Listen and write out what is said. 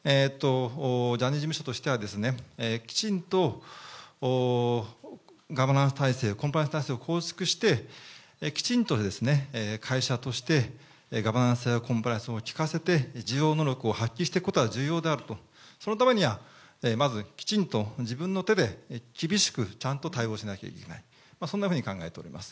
ジャニーズ事務所としては、きちんとガバナンス体制、コンプライアンス体制を構築して、きちんと会社としてガバナンスやコンプライアンスをきかせて、自浄能力を発揮していくことは重要であると、そのためにはまずきちんと自分の手で、厳しくちゃんと対応しなきゃいけない、そんなふうに考えております。